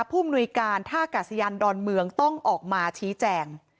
ผู้มนุยการท่ากาศยานดอนเมืองต้องออกมาชี้แจง